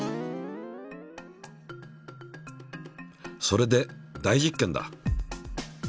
それで大実験だ。